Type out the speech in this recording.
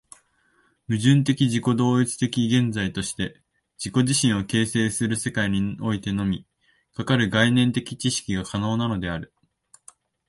矛盾的自己同一的現在として自己自身を形成する世界においてのみ、かかる概念的知識が可能なのである。